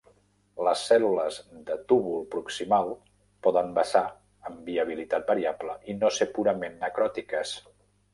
Les cèl·lules del túbul proximal poden vessar amb viabilitat variable i no ser purament "necròtiques".